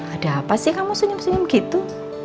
ada apa sih kamu sunyum sunyum gitu